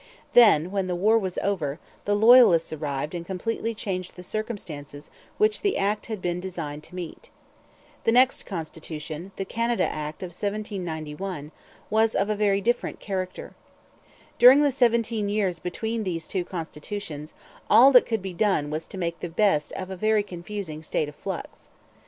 Then, when the war was over, the Loyalists arrived and completely changed the circumstances which the act had been designed to meet. The next constitution, the Canada Act of 1791, was of a very different character. During the seventeen years between these two constitutions all that could be done was to make the best of a very confusing state of flux.